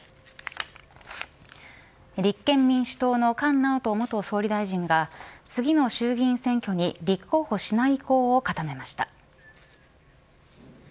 立憲民主党の菅直人元総理大臣が次の衆議院選挙に立候補しない意向を固めました。